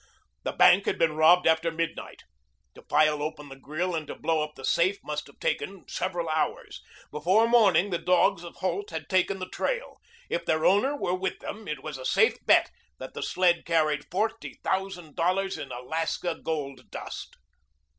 The bank had been robbed after midnight. To file open the grill and to blow up the safe must have taken several hours. Before morning the dogs of Holt had taken the trail. If their owner were with them, it was a safe bet that the sled carried forty thousand dollars in Alaska gold dust.